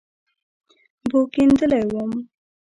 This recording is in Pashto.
بوږنېدلى وم.